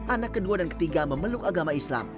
anak kedua dan ketiga memeluk agama islam